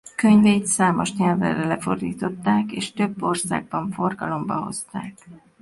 Könyveit számos nyelvre lefordították és több országban forgalomba hozták.